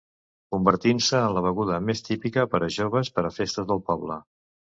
Convertint-se en la beguda més típica per a joves per a festes del poble.